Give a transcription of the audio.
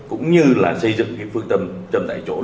cũng như là xây dựng phương châm tại chỗ